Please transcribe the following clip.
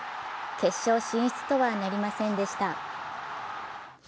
決勝進出とはなりませんでした。